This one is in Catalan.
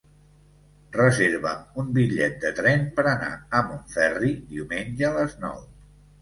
Reserva'm un bitllet de tren per anar a Montferri diumenge a les nou.